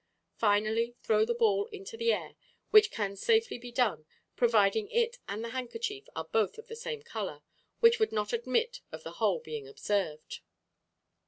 Finally throw the ball into the air, which can safely be done, providing it and the handkerchief are both of the same color, which would not admit of the hole being observed.